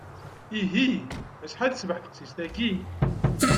Ihih, acḥal tecbeḥ teqcict-agi!